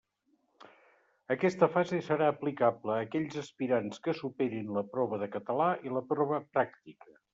Aquesta fase serà aplicable a aquells aspirants que superin la prova de Català i la prova pràctica.